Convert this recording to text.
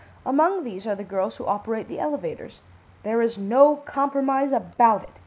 Among these are the girls who operate the elevators. There is no compromise about it.